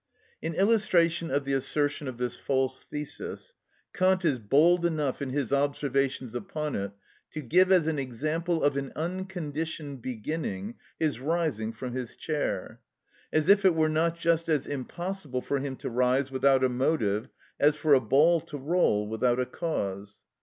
In illustration of the assertion of this false thesis, Kant is bold enough in his observations upon it to give as an example of an unconditioned beginning his rising from his chair; as if it were not just as impossible for him to rise without a motive as for a ball to roll without a cause.